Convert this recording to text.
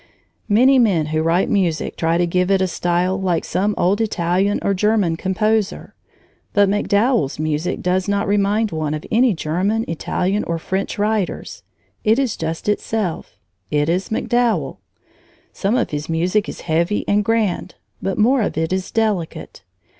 Many men who write music try to give it a style like some old Italian or German composer, but MacDowell's music does not remind one of any German, Italian, or French writers; it is just itself it is MacDowell. Some of his music is heavy and grand, but more of it is delicate.